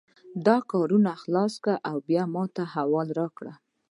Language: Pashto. دا کارونه خلاص کړه او بیا ماته احوال راکړه